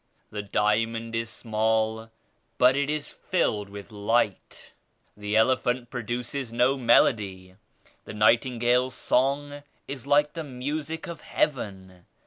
The diamond is small but it is filled with light. The elephant produces no melody; the nightin gale's song is like the music of Heaven.